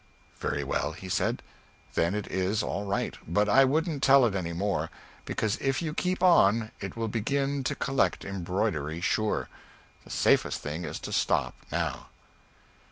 "Very well," he said, "then it is all right, but I wouldn't tell it any more; because if you keep on, it will begin to collect embroidery sure. The safest thing is to stop now."